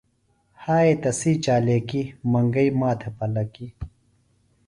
ہائے تسی چالاکی منگئی ماتھے پلَکی۔